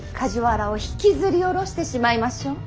梶原を引きずり下ろしてしまいましょう。